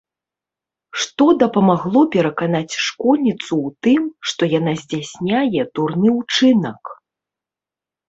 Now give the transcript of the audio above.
Што дапамагло пераканаць школьніцу ў тым, што яна здзяйсняе дурны ўчынак?